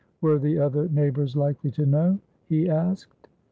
Were the other neighbours likely to know?he asked.